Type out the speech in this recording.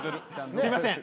すいません